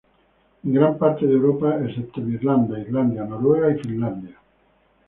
En gran parte de Europa excepto en Irlanda, Islandia, Noruega y Finlandia.